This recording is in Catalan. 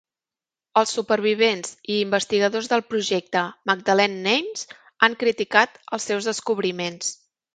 Els supervivents i investigadors del projecte "Magdalene Names" han criticat els seus descobriments.